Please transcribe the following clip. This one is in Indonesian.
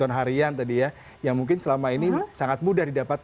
apakah ibu bisa menghasilkan keuntungan untuk membuat keuntungan yang terbaik